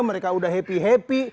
mereka udah happy happy